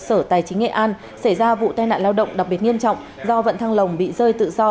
sở tài chính nghệ an xảy ra vụ tai nạn lao động đặc biệt nghiêm trọng do vận thăng lồng bị rơi tự do